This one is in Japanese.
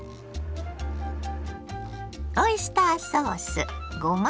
オイスターソースごま